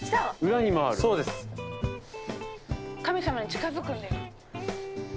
神様に近づくんだよ。